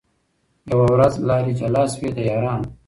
یوه ورځ لاري جلا سوې د یارانو